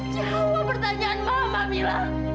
jawab pertanyaan mama mila